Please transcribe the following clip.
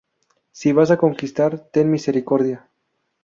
Si vas a conquistar, ten misericordia!".